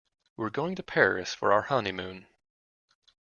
We're going to Paris for our honeymoon.